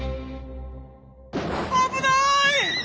危ない！